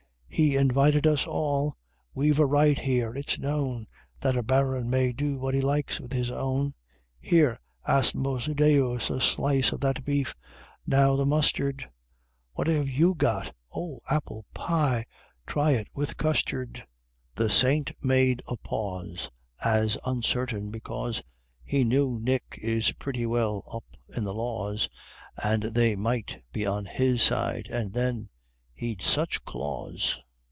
He invited us all we've a right here it's known That a Baron may do what he likes with his own Here, Asmodeus a slice of that beef; now the mustard! What have you got? oh, apple pie try it with custard." The Saint made a pause As uncertain, because He knew Nick is pretty well "up" in the laws, And they might be on his side and then, he'd such claws!